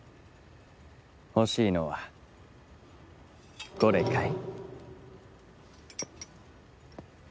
欲しいのはこれかい？